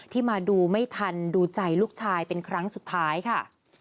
ที่มาดูไม่ทันดูใจลูกชายเป็นครั้งสุดท้ายค่ะ